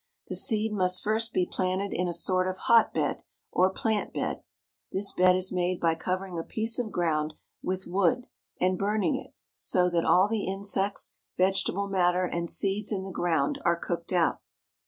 The seed must first be planted in a sort of hotbed or plant bed. This bed is made by covering a piece of ground with wood, and burning it, so that all the insects, vegetable matter, and seeds in the ground are cooked out.